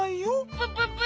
プププ！